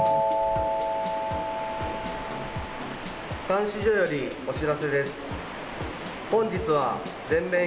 監視所よりお知らせです。